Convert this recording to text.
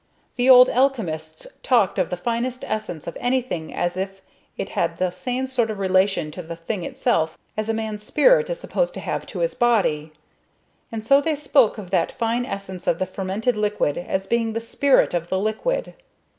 The old alchemists talked of the finest essence of anything as if it had the same sort of relation to the thing itself as a man's spirit is supposed to have to his body; and so they spoke of this fine essence of the fermented liquid as being the spirit of the liquid.